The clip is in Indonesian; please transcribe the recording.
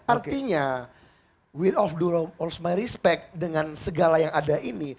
artinya with all of my respect dengan segala yang ada ini